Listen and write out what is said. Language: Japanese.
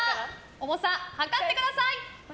重さを量ってください。